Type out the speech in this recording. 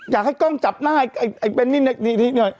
อยากให้กล้องจับหน้าไอ้เป็นนี่หน่อย